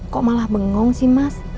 kok malah bengong sih mas